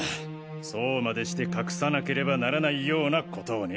そうまでして隠さなければならないようなことをね。